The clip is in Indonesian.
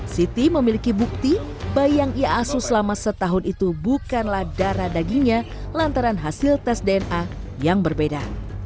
siti memiliki bukti bayi yang ia asuh selama setahun itu bukanlah darah dagingnya lantaran hasil tes dna yang berbeda